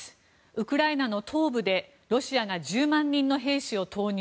ウクライナの東部でロシアが１０万人の兵士を投入。